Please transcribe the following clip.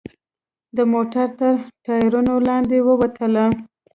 د موټر تر ټایرونو لاندې ووتله.